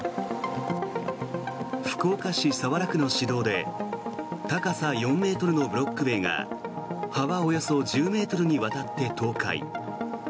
福岡市早良区の市道で高さ４ｍのブロック塀が幅およそ１０ｍにわたって倒壊。